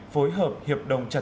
phối hợp hiệp đồng trọng